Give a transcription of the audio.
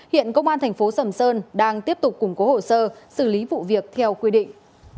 hiện công an thành phố sầm sơn đang tiếp tục củng cố hồ sơ xử lý vụ việc theo quy định